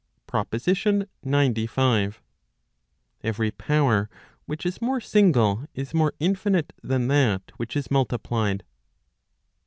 PROPOSITION XCV. Every power which is more single, is more infinite than that which is multiplied.